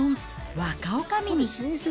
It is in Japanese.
若おかみに。